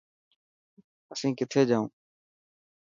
اسين ڪٿي جائون.